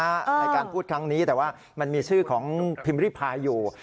ในการพูดครั้งนี้แต่ว่ามันมีชื่อของพิมพ์ริพายอยู่